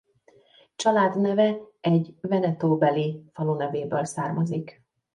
Családneve egy Veneto-beli falu nevéből származik.